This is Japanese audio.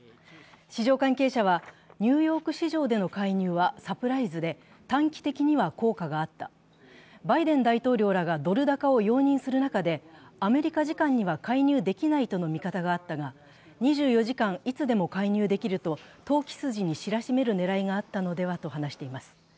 市場関係者は１ニューヨーク市場での介入はサプライズで、短期的には効果があった、バイデン大統領らがドル高を容認する中で、アメリカ時間には介入できないとの見方があったが、２４時間いつでも介入できると投機筋に知らしめる狙いがあったのではと話しています。